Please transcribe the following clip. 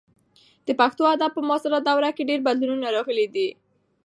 د پښتو ادب په معاصره دوره کې ډېر بدلونونه راغلي دي.